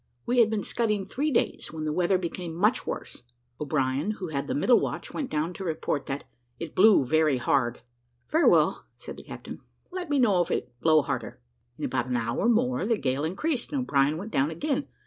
We had been scudding three days when the weather became much worse. O'Brien, who had the middle watch, went down to report that "it blew very hard." "Very well," said the captain; "let me know if it blow harder." In about an hour more the gale increased, and O'Brien went down again.